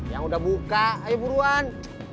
yang udah buka ayo buruan